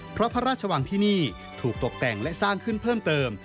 เพราะพระราชวังที่นี่ถูกตกแต่งและสร้างขึ้นเพิ่มเติม